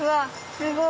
すごい。